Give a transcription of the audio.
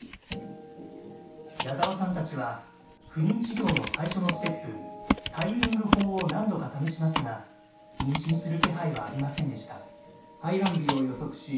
矢沢さんたちは不妊治療の最初のステップタイミング法を何度か試しますが妊娠する気配はありませんでした。